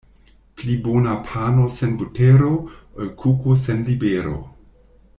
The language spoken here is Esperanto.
Pli bona pano sen butero, ol kuko sen libero.